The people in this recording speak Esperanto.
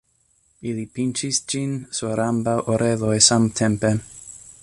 Ili pinĉis ĝin sur ambaŭ oreloj samtempe.